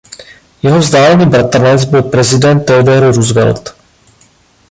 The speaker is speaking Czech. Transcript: Jeho vzdálený bratranec byl prezident Theodore Roosevelt.